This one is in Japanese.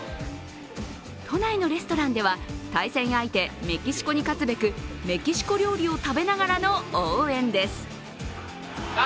都内のレストランでは、対戦相手メキシコに勝つべく、メキシコ料理を食べながらの応援です。